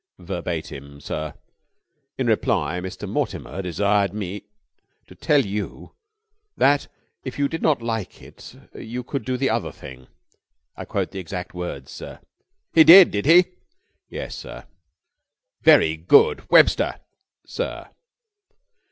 "Verbatim, sir. In reply Mr. Mortimer desired me to tell you that, if you did not like it, you could do the other thing. I quote the exact words, sir." "He did, did he?" "Yes, sir." "Very good! Webster!" "Sir?"